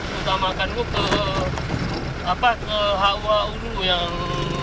utamakan ke hua dulu yang